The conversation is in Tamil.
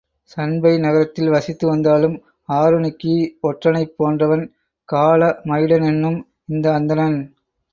சண்பை நகரத்தில் வசித்து வந்தாலும் ஆருணிக்கு ஒற்றனைப் போன்றவன், காளமயிட னென்னும் இந்த அந்தணன்.